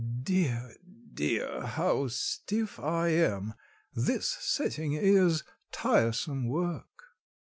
Dear! dear! how stiff I am! This setting is tiresome work."